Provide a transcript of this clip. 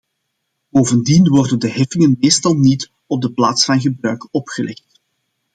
Bovendien worden de heffingen meestal niet op de plaats van gebruik opgelegd.